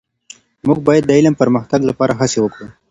موږ باید د علم د پرمختګ لپاره هڅې وکړو.